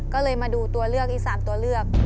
ก็เลยมาดูตัวเลือกอีก๓ตัวเลือก